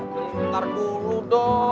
bentar dulu dong